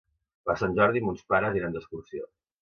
Per Sant Jordi mons pares iran d'excursió.